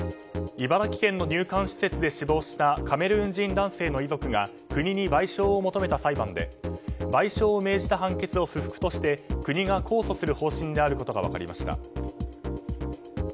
茨城県の入管施設で死亡したカメルーン人男性の遺族が国に賠償を求めた裁判で賠償を命じた判決を不服として国が控訴する方針であることが分かりました。